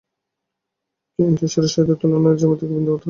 কিন্তু ঈশ্বরের সহিত তুলনায় তাঁহারাও জ্যামিতিক বিন্দুমাত্র।